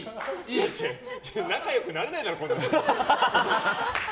仲良くなれないだろ、こんなの。